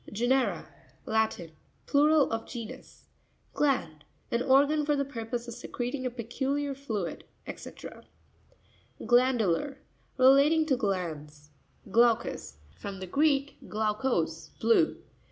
Ge'nera.—Latin. Plural of genus. Gianp.—An organ for the purpose of secreting a peculiar fluid, &c. Gua'npuLar.—Relating to glands. Grav'cus.—From the Greek, glaukos, blue.